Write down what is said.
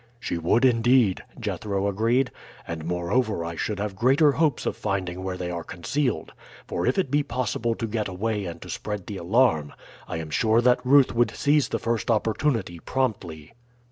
"She would, indeed," Jethro agreed. "And moreover I should have greater hopes of finding where they are concealed; for if it be possible to get away and to spread the alarm I am sure that Ruth would seize the first opportunity promptly."